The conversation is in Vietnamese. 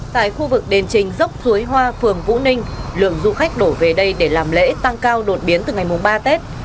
tại khu vực đền trình dốc suối hoa phường vũ ninh lượng du khách đổ về đây để làm lễ tăng cao đột biến từ ngày ba tết